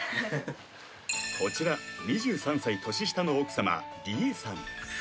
こちら２３歳年下の奥様りえさん